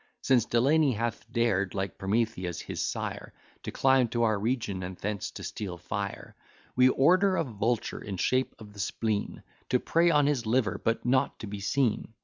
Since Delany hath dared, like Prometheus his sire, To climb to our region, and thence to steal fire; We order a vulture in shape of the Spleen, To prey on his liver, but not to be seen.